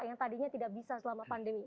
yang tadinya tidak bisa selama pandemi